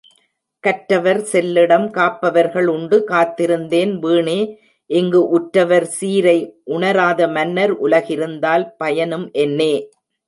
கற்றவர் செல்லிடம் காப்பவர்கள் உண்டு காத்திருந்தேன் வீணே இங்கு உற்றவர் சீரை உணராத மன்னர் உலகிருந்தால் பயனும் என்னே!